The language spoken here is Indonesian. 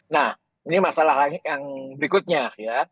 nah ini masalah yang berikutnya ya